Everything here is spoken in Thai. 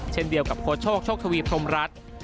เช่นเดียวกับโค้ชโชคโชคทวีพรมรัฐ